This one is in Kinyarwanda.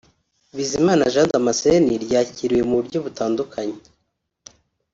Bizimana Jean Damascene ryakiriwe mu buryo butandukanye